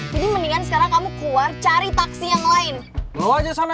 jadi mendingan kamu naar kayaknya